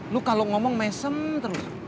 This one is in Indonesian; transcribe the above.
lu kalau ngomong mesem terus